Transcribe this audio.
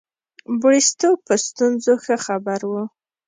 بریسټو په ستونزو ښه خبر وو.